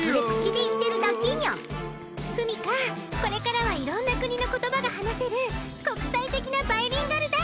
フミカこれからはいろんな国の言葉が話せる国際的なバイリンガル